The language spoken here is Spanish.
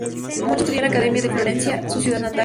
Mochi estudió en la Academia de Florencia, su ciudad natal.